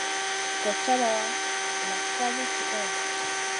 Gochata chata nak ka li tihè?